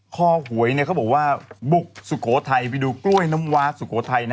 หวยเขาบอกว่าบุกสุโขทัยไปดูกล้วยน้ำว้าสุโขทัย